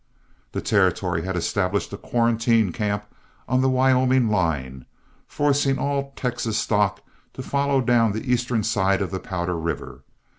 That territory had established a quarantine camp on the Wyoming line, forcing all Texas stock to follow down the eastern side of the Powder River.